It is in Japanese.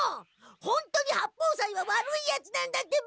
ホントに八方斎は悪いヤツなんだってば！